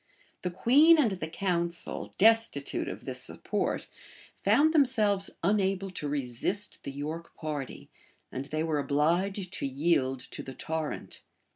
The queen and the council, destitute of this support, found themselves unable to resist the York party; and they were obliged to yield to the torrent.